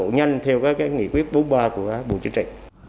và tốc độ nhanh theo các nghị quyết bố ba của bộ chính trị